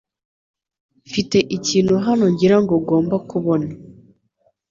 Mfite ikintu hano ngira ngo ugomba kubona.